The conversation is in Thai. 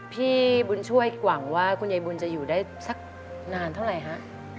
พี่บุญช่วยหวังว่าคุณยายบุญจะอยู่ได้สักนานเท่าไหร่ฮะ